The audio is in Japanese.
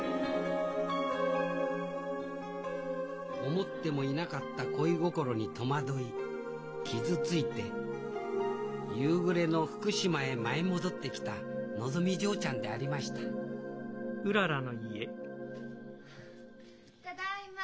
思ってもいなかった恋心に戸惑い傷ついて夕暮れの福島へ舞い戻ってきたのぞみ嬢ちゃんでありましたただいま。